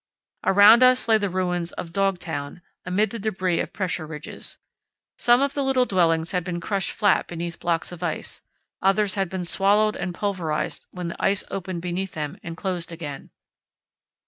Around us lay the ruins of "Dog Town" amid the debris of pressure ridges. Some of the little dwellings had been crushed flat beneath blocks of ice; others had been swallowed and pulverized when the ice opened beneath them and closed again.